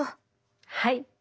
はい。